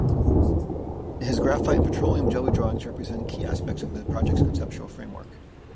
His graphite and petroleum jelly drawings represent key aspects of the project's conceptual framework.